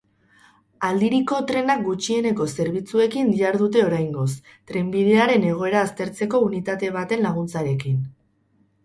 Aldiriko trenak gutxieneko zerbitzuekin dihardute oraingoz, trenbidearen egoera aztertzeko unitate baten laguntzarekin.